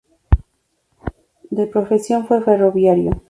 De profesión fue ferroviario.